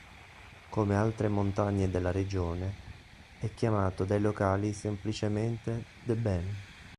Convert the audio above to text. Come altre montagne della regione, è chiamato dai locali semplicemente "The Ben".